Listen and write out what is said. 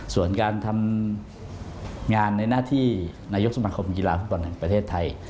ส่วนการทำงานในหน้าที่นายกสมาคมกีฬาฟุตบอลแห่งประเทศไทย